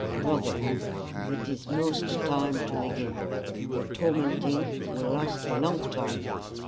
"Brother, it is most time to begin. The tormenting will last a long time.